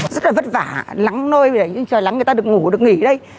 rất là vất vả lắng nôi lắng người ta được ngủ được nghỉ đây